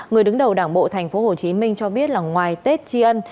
người đứng đầu đảng bộ tp hcm cho biết là ngoài tết tri ân